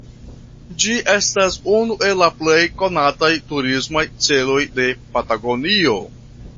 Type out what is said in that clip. Ĝi estas unu el la plej konataj turismaj celoj de Patagonio.